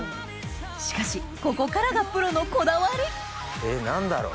しかしここからがプロのこだわり何だろう？